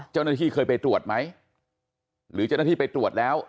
เจ้าหน้าที่เคยไปตรวจไหมหรือเจ้าหน้าที่ไปตรวจแล้ว